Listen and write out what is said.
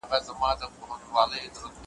تر سفر مخکي د مرګ په خوله کي بند وو `